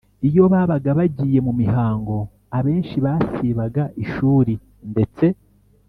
iyo babaga bagiye mu mihango. Abenshi basibaga ishuri ndetse